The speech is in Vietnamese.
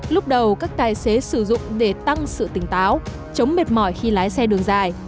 lúc đầu các tài xế sử dụng để tăng sự tỉnh táo chống mệt mỏi khi lái xe đường dài